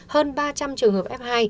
hơn ba trăm linh trường hợp f hai